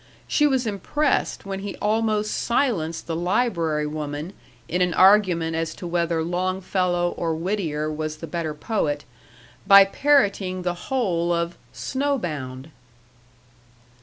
She was impressed when he almost silenced the library woman, in an argument as to whether Longfellow or Whittier was the better poet, by parroting the whole of "Snow Bound."